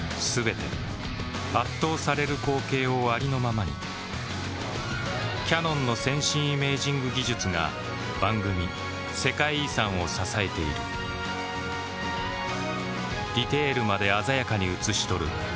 全て圧倒される光景をありのままにキヤノンの先進イメージング技術が番組「世界遺産」を支えているディテールまで鮮やかに映し撮る